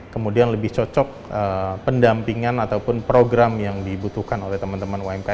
kemudian lebih cocok pendampingan ataupun program yang dibutuhkan oleh teman teman umkm